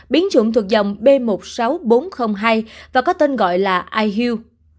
biến chủng thuộc dòng b một mươi sáu nghìn bốn trăm linh hai và có tên gọi là ihu